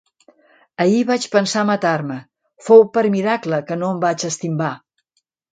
Ahir vaig pensar matar-me: fou per miracle que no em vaig estimbar.